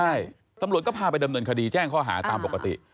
ใช่ตำรวจก็พาไปดำเนินคดีแจ้งข้อหาตามปกติ